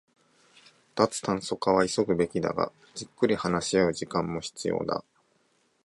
脱炭素化は急ぐべきだが、じっくり話し合う時間も必要だ